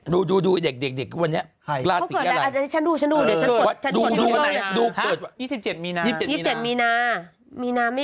พอช่วยเด็กวันนี้